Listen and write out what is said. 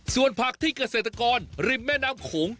ส่วนผักที่เกษตรกรริมแม่น้ำโขง